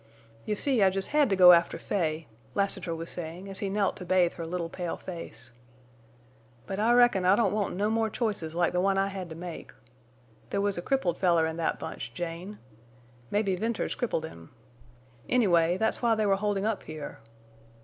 "You see I jest had to go after Fay," Lassiter was saying, as he knelt to bathe her little pale face. "But I reckon I don't want no more choices like the one I had to make. There was a crippled feller in that bunch, Jane. Mebbe Venters crippled him. Anyway, that's why they were holding up here.